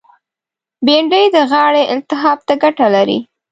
بېنډۍ د غاړې التهاب ته ګټه لري